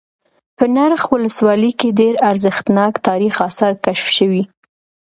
په نرخ ولسوالۍ كې ډېر ارزښتناك تاريخ آثار كشف شوي